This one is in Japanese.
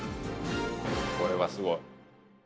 これはすごい。